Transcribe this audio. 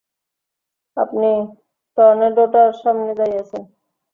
আপনি টর্নেডোটার সামনেই দাঁড়িয়ে আছেন!